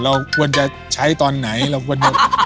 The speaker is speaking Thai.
เราควรจะใช้ตอนไหน